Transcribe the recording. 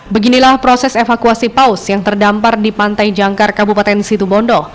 beginilah proses evakuasi paus yang terdampar di pantai jangkar kabupaten situbondo